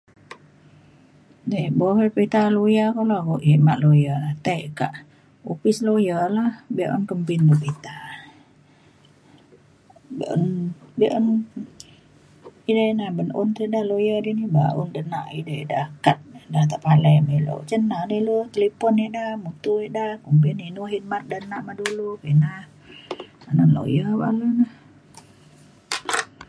Nya bei pitah lawyer bek un khidmat lawyer tai ka' upis lawyer la bek un kembin pitah. Bek un bek un ina ya lawyer un da ina ya' dulu kad tepalai ngan ilu cen da ilu telipon ina mutu ina kumbin inu khidmat da nak ngan dulu kua inah. Ina lawyer nah.